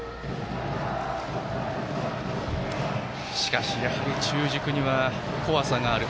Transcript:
しかし、中軸には怖さがある。